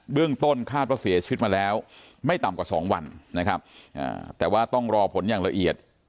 เรื่องต้นคาดว่าเสียชีวิตมาแล้วไม่ต่ำกว่าสองวันนะครับแต่ว่าต้องรอผลอย่างละเอียด